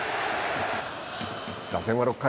打線は６回。